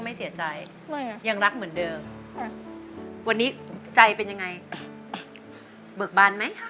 เบิกบันไหมคะ๕๐๕๐